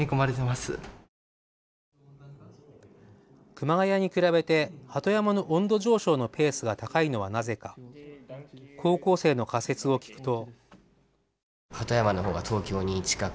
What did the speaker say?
熊谷に比べて鳩山の温度上昇のペースが高いのはなぜか高校生の仮説を聞くと。